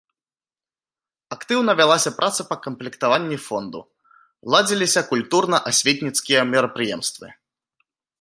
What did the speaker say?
Актыўна вялася праца па камплектаванні фонду, ладзіліся культурна-асветніцкія мерапрыемствы.